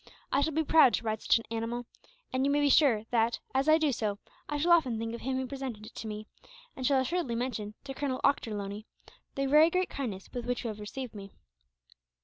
I shall be proud to ride such an animal; and you may be sure that, as I do so, I shall often think of him who presented it to me; and shall assuredly mention, to Colonel Ochterlony, the very great kindness with which you have received me."